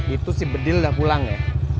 itu si bedil udah pulang ya